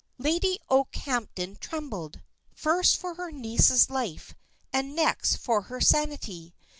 Lady Okehampton trembled, first for her niece's life, and next for her sanity.